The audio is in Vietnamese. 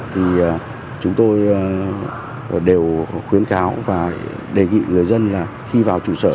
thì chúng tôi đều khuyến cáo và đề nghị người dân là khi vào trụ sở